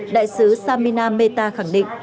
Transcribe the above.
đại sứ samina mehta khẳng định